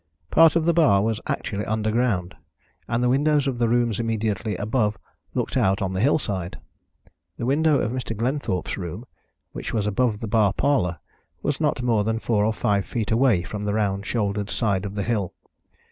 Part of the bar was actually underground, and the windows of the rooms immediately above looked out on the hillside. The window of Mr. Glenthorpe's room, which was above the bar parlour, was not more than four or five feet away from the round shouldered side of the hill.